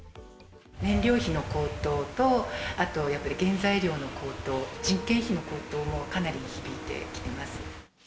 燃料費の高騰と、あとやっぱり原材料の高騰、人件費の高騰もかなり響いてきています。